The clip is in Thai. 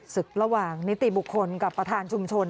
ศึกระหว่างนิติบุคคลกับประธานชุมชน